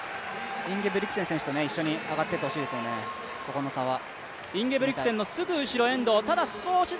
インゲブリクセン選手と一緒に上がっていってほしいですね、ここの差は。